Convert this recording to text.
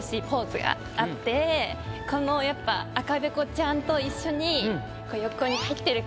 このやっぱ赤べこちゃんと一緒に。